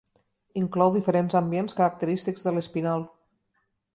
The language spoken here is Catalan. Inclou diferents ambients característics de l'Espinal.